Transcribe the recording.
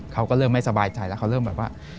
เขาก็เริ่มไม่สบายใจแล้วเขาเริ่มแบบว่า